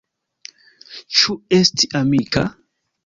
Ĉu esti amika?